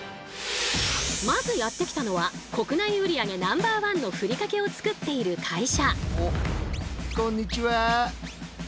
まずやって来たのは国内売り上げＮｏ．１のふりかけを作っている会社。